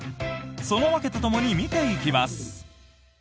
その訳とともに見ていきます。